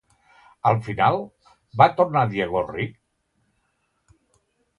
Al final, va tornar Diego ric?